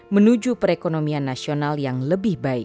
menuju perekonomian nasional yang lebih baik